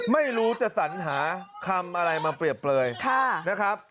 ไม่รู้จะสัญหาคำอะไรมาเปรียบเปลยนะครับ